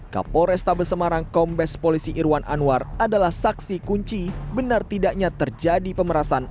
kapol restabel semarang kombes polisi irwan anwar adalah saksi kunci benar tidaknya terjadi pemerasaan